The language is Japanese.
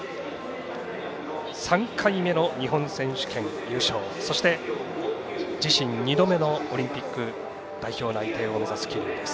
３回目の日本選手権優勝そして自身２度目のオリンピック代表内定を目指す桐生です。